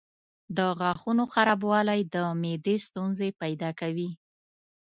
د غاښونو خرابوالی د معدې ستونزې پیدا کوي.